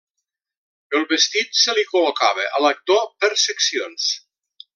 El vestit se li col·locava a l'actor per seccions.